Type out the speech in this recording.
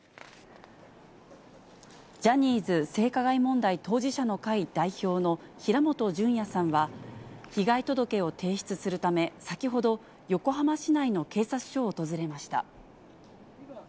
ジャニーズ性加害問題当事者の会代表の平本淳也さんは、被害届を提出するため、先ほど、横浜市内の警察署を訪れました。